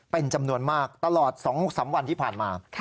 เป็นจำนวนมากตลอด๒๓วันที่ผ่านมา